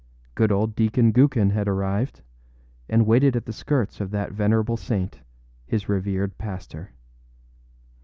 Good old Deacon Gookin had arrived, and waited at the skirts of that venerable saint, his revered pastor.